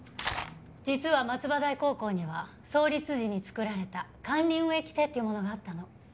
実は松葉台高校には創立時に作られた管理運営規定というものがあったの。